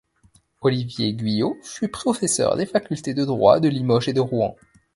Olivier Guillot fut professeur des facultés de droit de Limoges et de Rouen.